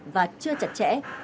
và chưa chặt chẽ